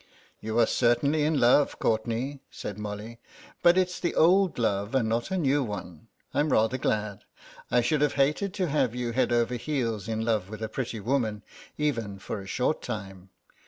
"You are certainly in love, Courtenay," said Molly, "but it's the old love and not a new one. I'm rather glad. I should have hated to have you head over heels in love with a pretty woman, even for a short time.